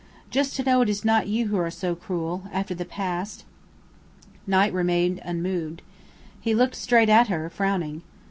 Just to know it is not you who are so cruel after the past!" Knight remained unmoved. He looked straight at her, frowning.